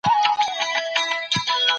په سياستپوهنه کې علمي لارې چارې ښوول کېږي.